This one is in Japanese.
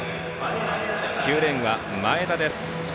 ９レーンは前田です。